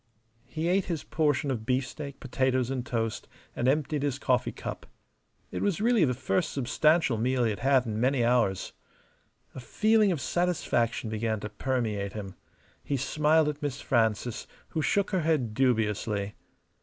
He ate his portion of beefsteak, potatoes, and toast, and emptied his coffee cup. It was really the first substantial meal he had had in many hours. A feeling of satisfaction began to permeate him. He smiled at Miss Frances, who shook her head dubiously.